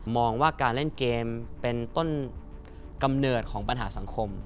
มองว่าการเล่นเกมเป็นต้นกำเนิดของปัญหาสังคม